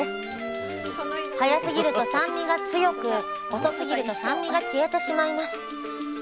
早すぎると酸味が強く遅すぎると酸味が消えてしまいます。